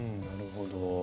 なるほど。